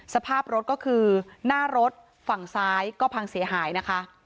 สภาพรถก็คือหน้ารถฝั่งซ้ายก็พังเสียหายนะคะ